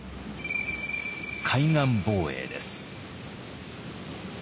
海岸防衛です。